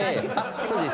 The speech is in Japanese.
そうです！